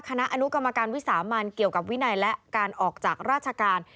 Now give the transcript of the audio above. คณะอนุกรรมการวิสามันเกี่ยวกับวินัยและการออกจากราชการ